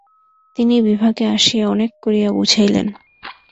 তিনি বিভাকে আসিয়া অনেক করিয়া বুঝাইলেন।